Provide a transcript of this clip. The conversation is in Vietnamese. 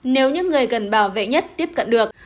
nếu những người cần bảo vệ nhất tiếp cận được